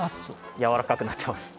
やわらかくなってます